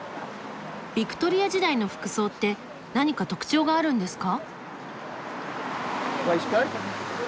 ビクトリア時代の服装って何か特徴があるんですか？